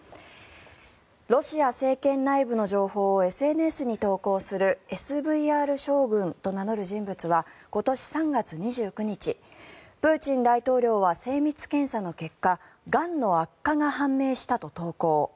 ロシア政権内部の情報をＳＮＳに投稿するＳＶＲ将軍と名乗る人物は今年３月２９日プーチン大統領は精密検査の結果がんの悪化が判明したと投稿。